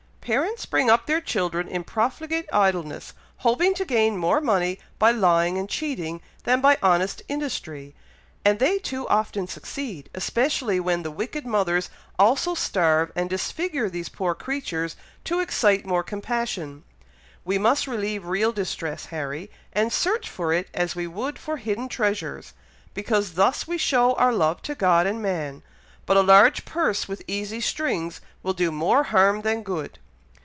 Parents bring up their children in profligate idleness, hoping to gain more money by lying and cheating, than by honest industry, and they too often succeed, especially when the wicked mothers also starve and disfigure these poor creatures, to excite more compassion. We must relieve real distress, Harry, and search for it as we would for hidden treasures, because thus we show our love to God and man; but a large purse with easy strings will do more harm than good."